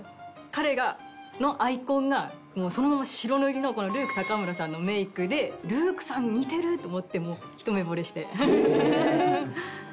彼のアイコンがそのまま白塗りのこのルーク篁さんのメイクでルークさんに似てると思ってひと目ぼれして。